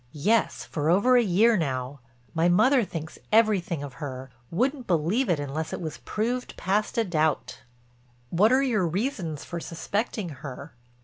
"Yes, for over a year now. My mother thinks everything of her, wouldn't believe it unless it was proved past a doubt." "What are your reasons for suspecting her?"